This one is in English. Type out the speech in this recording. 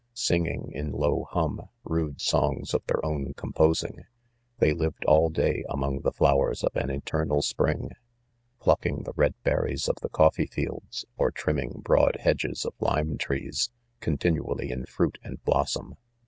v Sing ing, in low hum, rude songs of their own com posing^ they ' lived : all day among the" flo#ers of an eternal springy plucking the red berries of the coffee fields, or trimming broad hedges of lime trees, continually in fruit and blossom..